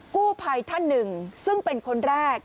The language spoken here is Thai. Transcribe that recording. กู้ภัยท่านหนึ่งซึ่งเป็นคนแรก